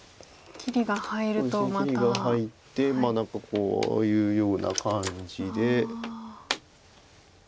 切りが入って何かこういうような感じで。